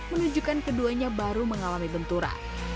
menunjukkan keduanya baru mengalami benturan